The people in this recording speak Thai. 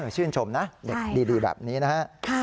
ชื่นชมนะเด็กดีแบบนี้นะฮะ